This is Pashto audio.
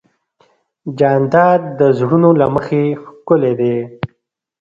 جانداد د زړونو له مخې ښکلی دی.